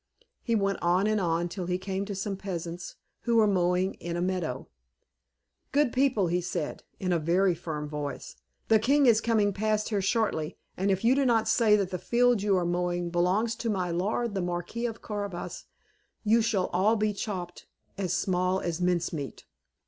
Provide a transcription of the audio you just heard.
He went on and on, till he came to some peasants who were mowing in a meadow. "Good people," said he, in a very firm voice, "the king is coming past here shortly, and if you do not say that the field you are mowing belongs to my lord the Marquis of Carabas, you shall all be chopped as small as mince meat."